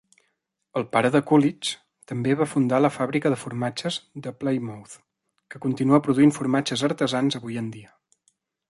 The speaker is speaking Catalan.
El pare de Coolidge també va fundar la fàbrica de formatge de Plymouth, que continua produint formatges artesans avui en dia.